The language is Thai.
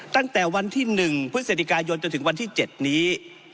ตั้งแต่วันที่๑พฤศจิกายนจนถึงวันที่๗นี้